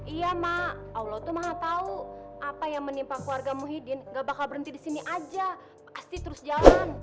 iya mak allah tuh maha tahu apa yang menimpa keluarga muhyiddin gak bakal berhenti di sini aja pasti terus jalan